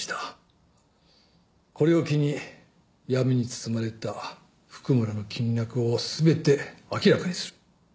これを機に闇に包まれた譜久村の金脈を全て明らかにする。